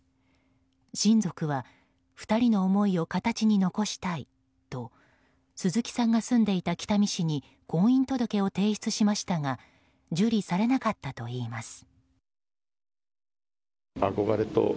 親族は２人の思いを形に残したいと鈴木さんが住んでいた北見市に婚姻届を提出しましたが受理されなかったといいます。